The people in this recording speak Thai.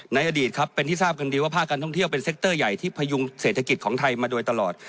อดีตครับเป็นที่ทราบกันดีว่าภาคการท่องเที่ยวเป็นเซ็กเตอร์ใหญ่ที่พยุงเศรษฐกิจของไทยมาโดยตลอด